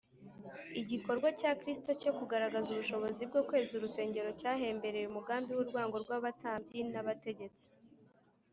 Igikorwa cya Kristo cyo kugaragaza ubushobozi bwo kweza urusengero cyahembereye umugambi w’urwango rw’abatambyi n’abategetsi.